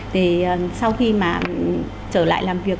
thì sau khi mà trở lại làm việc